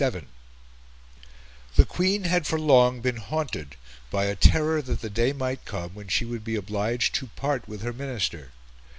VII The Queen had for long been haunted by a terror that the day might come when she would be obliged to part with her Minister.